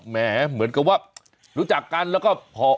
แหมเหมือนกับว่ารู้จักกันแล้วก็พอ